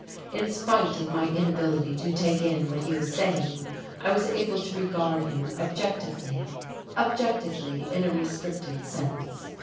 In spite of my inability to take in what he was saying, I was able to regard him objectively, objectively, in a restricted sense.